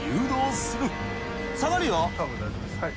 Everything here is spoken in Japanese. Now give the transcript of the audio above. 多分大丈夫ですはい。